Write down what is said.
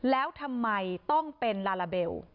แล้วทำไมต้องเป็นลาลาเบล